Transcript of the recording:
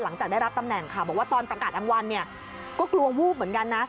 หลังจากได้รับตำแหน่งค่ะบอกว่าตอนประกาศรางวัลเนี่ยก็กลัววูบเหมือนกันนะ